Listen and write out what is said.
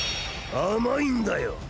甘いんだよ。